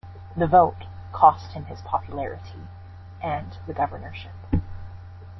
The vote cost him his popularity and the governorship.